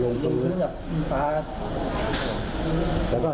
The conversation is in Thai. หรือว่ายิงลงคืนอะไรดิอ๋อพอยิงลงคืนยิงคืนกับพระ